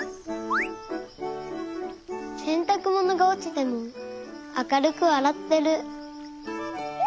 せんたくものがおちてもあかるくわらってる。